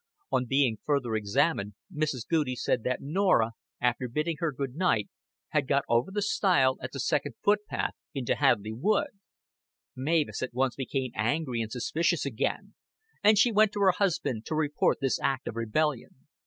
On being further examined, Mrs. Goudie said that Norah, after bidding her good night, had got over the stile at the second footpath into Hadleigh Wood. Mavis at once became angry and suspicious again, and she went to her husband to report this act of rebellion.